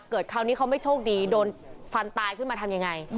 คราวนี้เขาไม่โชคดีโดนฟันตายขึ้นมาทำยังไง